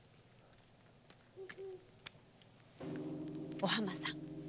お浜さん。